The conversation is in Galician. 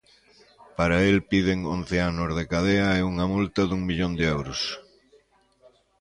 Para el piden once anos de cadea e unha multa dun millón de euros.